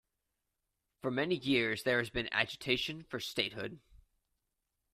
For many years there has been agitation for statehood.